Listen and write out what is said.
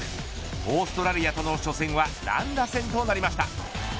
オーストラリアとの初戦は乱打戦となりました。